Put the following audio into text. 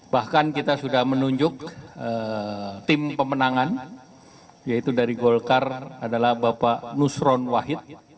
bahkan kita sudah menunjuk tim pemenangan yaitu dari golkar adalah bapak nusron wahid